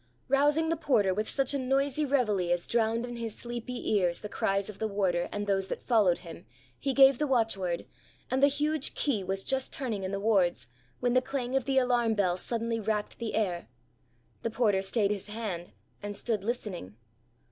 Rousing the porter with such a noisy reveillee as drowned in his sleepy ears the cries of the warder and those that followed him, he gave the watch word, and the huge key was just turning in the wards when the clang of the alarm bell suddenly racked the air. The porter stayed his hand, and stood listening.